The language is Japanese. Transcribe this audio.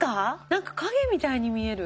何か影みたいに見える。